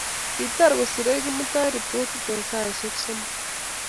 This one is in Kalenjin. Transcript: Kitar koserei Kimutai ripotit eng saishek somok